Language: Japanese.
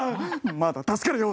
まだ助かるよ。